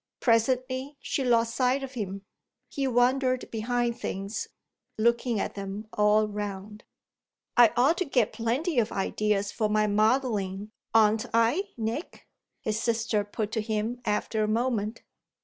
Presently she lost sight of him; he wandered behind things, looking at them all round. "I ought to get plenty of ideas for my modelling, oughtn't I, Nick?" his sister put to him after a moment.